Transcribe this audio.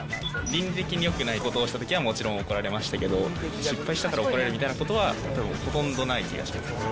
倫理的によくないことをしたときにはもちろん怒られましたけど、失敗したから怒られるみたいなことは、ほとんどない気がします。